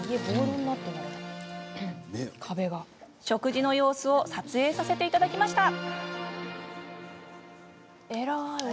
食事の様子を撮影させていただきました。